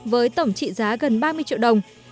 với tổng trị giá gần ba mươi triệu đồng